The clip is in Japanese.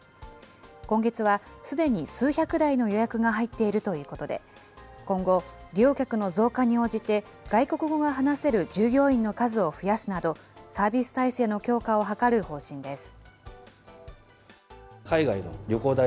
今月は、すでに数百台の予約が入っているということで、今後、利用客の増加に応じて外国語が話せる従業員の数を増やすなどサービス態勢の強化を図る方針です。